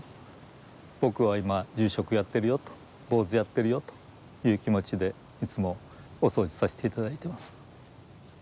僕は今住職やってるよと坊主やってるよという気持ちでいつもお掃除させて頂いてます。